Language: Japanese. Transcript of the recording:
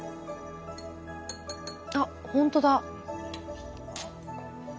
あっほんとだ。